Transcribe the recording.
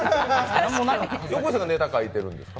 横井さんがネタ書いてるんですか？